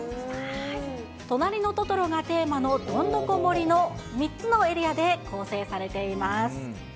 となりのトトロがテーマのどんどこ森の３つのエリアで構成されています。